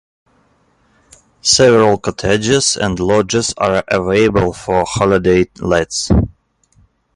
Several cottages and lodges are available for holiday lets.